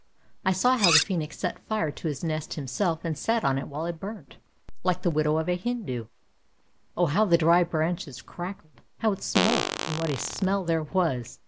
I saw how the phcenix set fire to his nest himself and sat on it while it burnt, like the widow of a Hindoo. Oh how the dry branches crackled, how it smoked, and what a smell there was.